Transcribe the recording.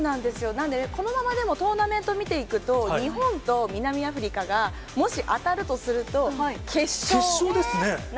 なんで、このままトーナメント見ていくと、日本と南アフリカがもし当たるとすると、決勝ですね。